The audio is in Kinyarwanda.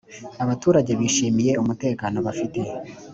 abaturage bishimiye umutekano bafite